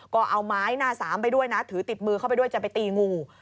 ก็เอาไม้หน้าสามไปด้วยนะถือติดมือเข้าไปด้วยจะไปตีงู